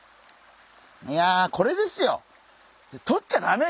いやこれですよ！